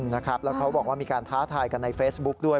นะครับแล้วเขาบอกว่ามีการท้าทายกันในเฟซบุ๊คด้วย